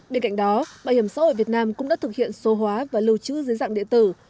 bên cạnh đó bảo hiểm xã hội việt nam cũng đã thực hiện số hóa và lưu trữ dưới dạng điện tử